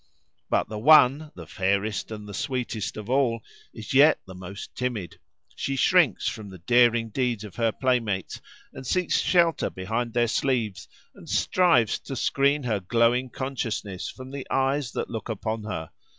But the one, the fairest and the sweetest of all, is yet the most timid; she shrinks from the daring deeds of her play mates, and seeks shelter behind their sleeves, and strives to screen her glowing consciousness from the eyes that look upon her.